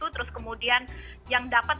terus kemudian yang dapat